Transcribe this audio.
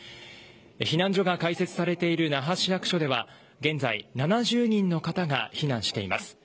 避難所が開設されている那覇市役所では現在、７０人の方が避難しています。